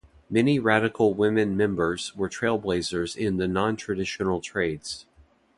Many Radical Women members were trailblazers in the nontraditional trades.